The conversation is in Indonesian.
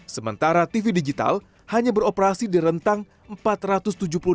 sementara tv digital hanya beroperasi di rentang empat ratus tujuh puluh